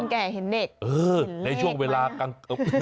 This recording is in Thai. เห็นคนแก่เห็นเด็กเออในช่วงเวลากลาง